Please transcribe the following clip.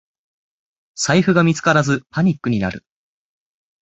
財布が見つからずパニックになる